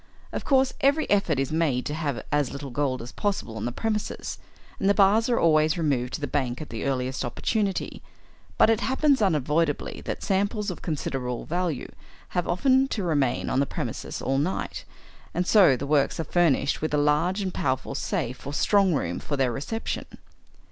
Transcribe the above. Of course every effort is made to have as little gold as possible on the premises, and the bars are always removed to the bank at the earliest opportunity; but it happens unavoidably that samples of considerable value have often to remain on the premises all night, and so the works are furnished with a large and powerful safe or strong room for their reception.